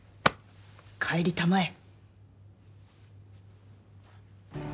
帰りたまえ。